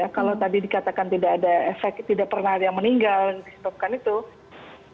kalau tadi dikatakan tidak ada efek tidak pernah ada yang meninggal disebabkan itu